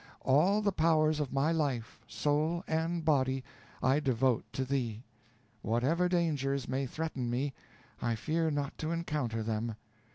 All the powers of my life, soul, and body, I devote to thee. Whatever dangers may threaten me, I fear not to encounter them.